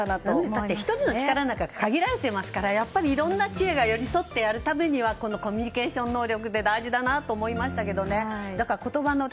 だって１人の力なんて限られてますからやっぱりいろんな知恵が寄り添ってやるにはコミュニケーション能力が大事だなと思います。